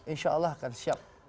insya allah akan siap